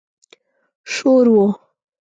شور و.